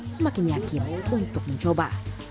semakin yakin untuk mencoba